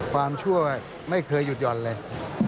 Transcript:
ชั่วไม่เคยหยุดหย่อนเลย